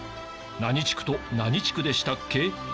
何地区と何地区でしたっけ？